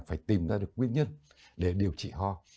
phải tìm ra được nguyên nhân để điều trị ho